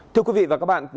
thưa quý vị và các bạn